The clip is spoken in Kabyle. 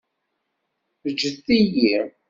Ǧǧet-iyi.